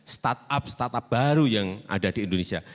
start up start up baru yang ada di indonesia